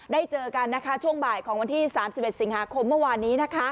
เจอกันนะคะช่วงบ่ายของวันที่๓๑สิงหาคมเมื่อวานนี้